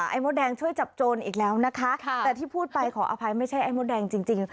มดแดงช่วยจับโจรอีกแล้วนะคะแต่ที่พูดไปขออภัยไม่ใช่ไอ้มดแดงจริง